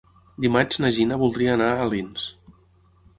Dimarts na Gina voldria anar a Alins.